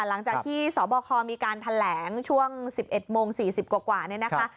หลังจากที่สบคมีการแถลงช่วง๑๑โมง๔๐กว่าเนี่ยนะคะ